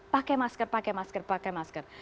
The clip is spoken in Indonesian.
pakai masker pakai masker pakai masker